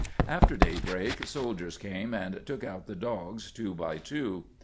After daybreak soldiers came and took out the dogs two by two.